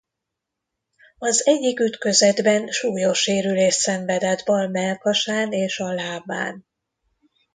Az egyik ütközetben súlyos sérülést szenvedett bal mellkasán és a lábán.